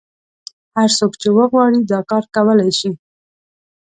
هر څوک چې وغواړي دا کار کولای شي.